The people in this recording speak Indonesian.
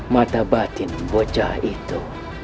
mata batin bocah itu